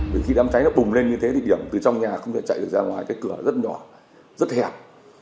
vì khi đám cháy nó bùng lên như thế thì điểm từ trong nhà không thể chạy được ra ngoài cái cửa rất nhỏ rất hẹp